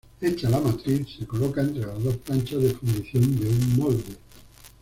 Hecha la matriz, se coloca entre las dos planchas de fundición de un molde.